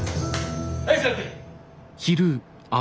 はい座って！